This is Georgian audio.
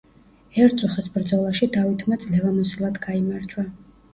ერწუხის ბრძოლაში დავითმა ძლევამოსილად გაიმარჯვა.